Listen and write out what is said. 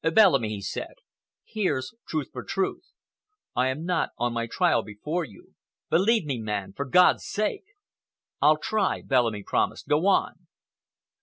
"Bellamy," he said, "here's truth for truth. I am not on my trial before you. Believe me, man, for God's sake!" "I'll try," Bellamy promised. "Go on."